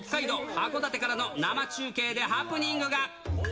函館からの生中継でハプニングが。